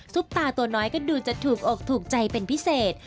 ตาตัวน้อยก็ดูจะถูกอกถูกใจเป็นพิเศษ